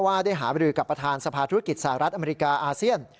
ได้หาบรือกับประธานสภาธุรกิจสหรัฐอเมริกาอาเซียน